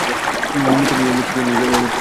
মৃত্যু যেন ছিল তাঁর পায়ের ভৃত্য।